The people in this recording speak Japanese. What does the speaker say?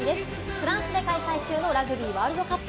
フランスで開催中のラグビーワールドカップ。